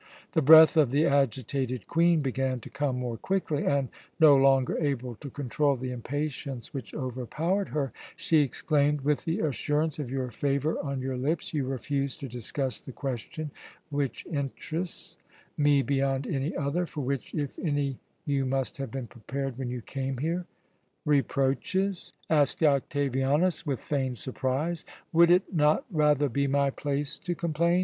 The breath of the agitated Queen began to come more quickly and, no longer able to control the impatience which overpowered her, she exclaimed, "With the assurance of your favour on your lips, you refuse to discuss the question which interests, me beyond any other for which, if any you must have been prepared when you came here " "Reproaches?" asked Octavianus with we feigned surprise. "Would it not rather be my place to complain?